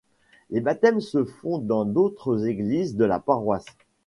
Les baptêmes se font dans d'autres églises de la paroisse.